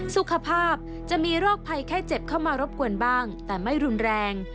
สุขภาพจะมีโรคภัยไข้เจ็บเข้ามารบกวนบ้างแต่ไม่รุนแรง